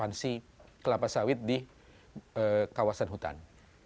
dan juga persoalan ekspansi kelapa sawit di kawasan hutan